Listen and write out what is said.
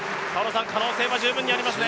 可能性は十分にありますね。